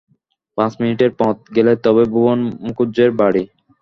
পাঁচ মিনিটের পথ গেলে তবে ভুবন মুখুজ্যের বাড়ি।